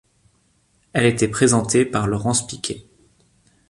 Elle était présentée par Laurence Piquet.